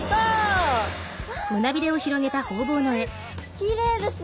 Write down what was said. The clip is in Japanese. きれいですね